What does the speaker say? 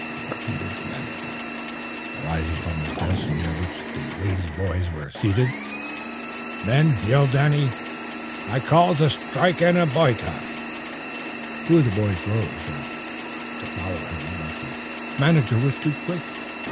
repeated the manager, rising from his desk, near which the waiting boys were seated. "Men," yelled Danny, "I calls a strike an' a boycott!" Two of the boys rose as if to follow him, but the manager was too quick.